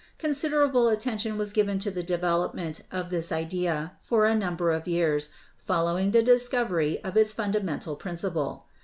Considerable attention was given to the development of this idea for a number of years following the discovery of its funda mental principle.